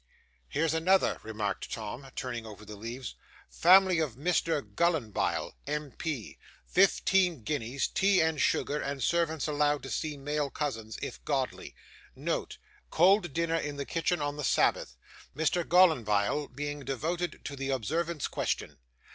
'Here's another,' remarked Tom, turning over the leaves. '"Family of Mr Gallanbile, MP. Fifteen guineas, tea and sugar, and servants allowed to see male cousins, if godly. Note. Cold dinner in the kitchen on the Sabbath, Mr. Gallanbile being devoted to the Observance question.